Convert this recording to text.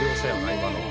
今のは」